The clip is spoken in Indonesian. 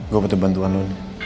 gue butuh bantuan lo